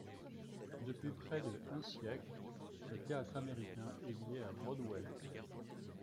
Depuis près de un siècle, le théâtre américain est lié à Broadway.